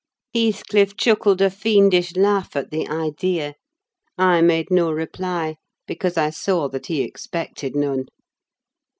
Heathcliff chuckled a fiendish laugh at the idea. I made no reply, because I saw that he expected none.